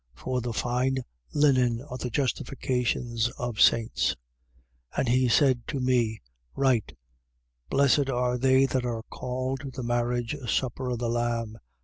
For the fine linen are the justifications of saints. 19:9. And he said to me: Write: Blessed are they that are called to the marriage supper of the Lamb.